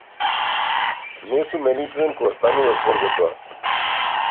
Не сум единствен кога станува збор за тоа.